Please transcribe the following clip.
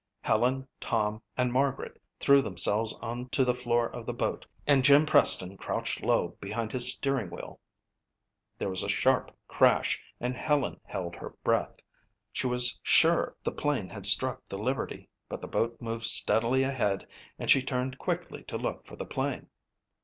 Helen, Tom and Margaret threw themselves onto the floor of the boat and Jim Preston crouched low behind his steering wheel. There was a sharp crash and Helen held her breath. She was sure the plane had struck the Liberty but the boat moved steadily ahead and she turned quickly to look for the plane.